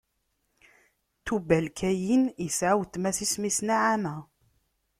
Tubal-Kayin isɛa weltma-s, isem-is Naɛama.